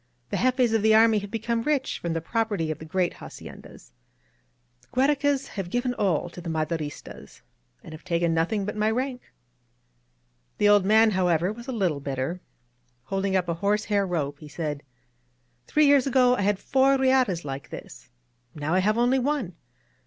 The jefes of the army have become rich from the property of the great haciendas. The Giiere cas have given all to the Maderistas, and have taken nothing but my rank. ••." The old man, however, was a little bitter. Holding up a horsehair rope, he said: ^^Three years ago I had four HatcLs like this. Now I have only one.